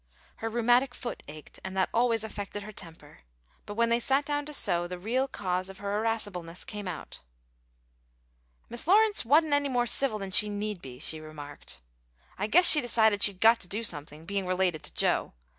Her rheumatic foot ached, and that always affected her temper; but when they sat down to sew, the real cause of her irascibleness came out. "Mis' Lawrence wa'n't any more civil than she need be," she remarked. "I guess she'd decided she'd got to do something, being related to Joe.